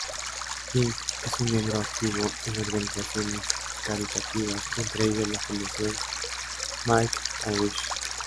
King es un miembro activo en organizaciones caritativas, entre ellas la fundación "Make-A-Wish".